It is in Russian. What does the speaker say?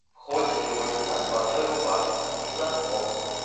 Входит его жена в одной рубашке и с зонтом.